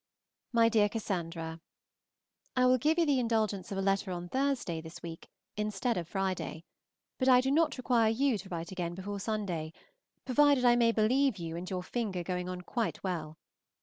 MY DEAR CASSANDRA, I will give you the indulgence of a letter on Thursday this week, instead of Friday, but I do not require you to write again before Sunday, provided I may believe you and your finger going on quite well.